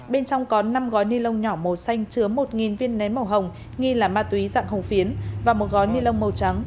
bên trong có năm gói ni lông nhỏ màu xanh chứa một viên nén màu hồng nghi là ma túy dạng hồng phiến và một gói ni lông màu trắng